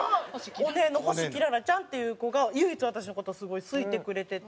オネエの星キララちゃんっていう子が唯一私の事すごい好いてくれてて。